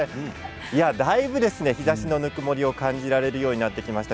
だいぶ日ざしのぬくもりを感じられるようになってきました。